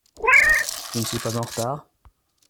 Je ne suis pas en retard ?